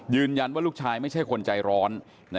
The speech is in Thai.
ยืนยันว่าลูกชายไม่ใช่คนใจร้อน